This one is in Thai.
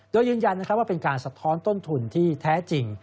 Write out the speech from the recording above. โดยยืนยันว่าเป็นการสะท้อนต้นทุนที่แท้จริง